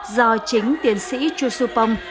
do chính tiến sĩ chú sưu pông